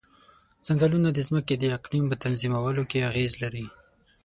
ځنګلونه د ځمکې د اقلیم په تنظیمولو کې اغیز لري.